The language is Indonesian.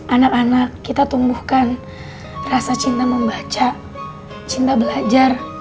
anak anak kita tumbuhkan rasa cinta membaca cinta belajar